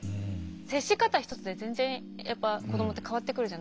接し方一つで全然やっぱ子供って変わってくるじゃないですか。